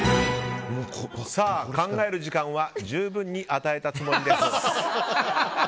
考える時間は十分に与えたつもりです。